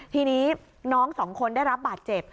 ทีนี้น้องสองคนได้รับบาดเจ็บ